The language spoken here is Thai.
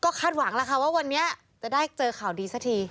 คาดหวังแล้วค่ะว่าวันนี้จะได้เจอข่าวดีสักที